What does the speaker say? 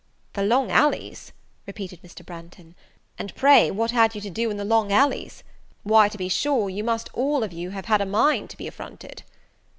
"The long alleys!" repeated Mr. Branghton, "and pray, what had you to do in the long alleys? why, to be sure, you must all of you have had a mind to be affronted!"